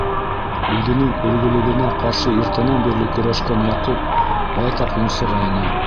Үҙенең «өлгө»лөгөнә ҡаршы иртәнән бирле көрәшкән Яҡуп байтаҡ йонсоғайны.